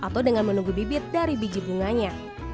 yang lebih terlihat dari biji bunganya